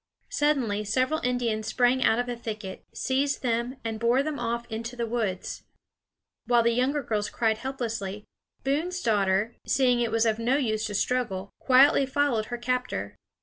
Suddenly several Indians sprang out of a thicket, seized them, and bore them off into the woods. While the younger girls cried helplessly, Boone's daughter, seeing it was of no use to struggle, quietly followed her captor.